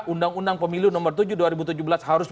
undang pemiliu nomor tujuh dua ribu tujuh belas harus